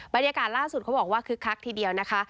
บรรยากาศล่าสุดเขาบอกว่าคึกคักทีเดียวนะคะ